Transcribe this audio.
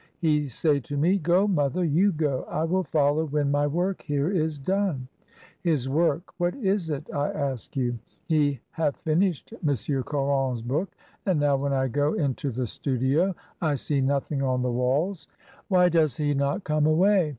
He say to me, *Go, mother; you go, I will follow when my work here is done.' His work, what is it, I ask you? He have finished M Caron's book, and now, when I go into the studio I see nothing on the walls. Why does he not come away?